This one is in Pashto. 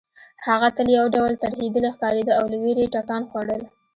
هغه تل یو ډول ترهېدلې ښکارېده او له وېرې یې ټکان خوړل